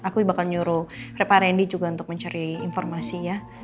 aku bakal nyuruh reparin dia juga untuk mencari informasinya